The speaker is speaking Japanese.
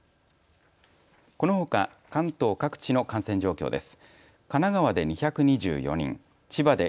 このほか関東各地の感染状況です。